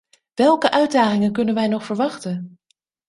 Welke uitdagingen kunnen wij nog verwachten?